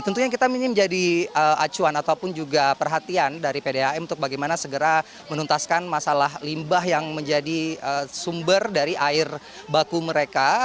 tentunya kita ini menjadi acuan ataupun juga perhatian dari pdam untuk bagaimana segera menuntaskan masalah limbah yang menjadi sumber dari air baku mereka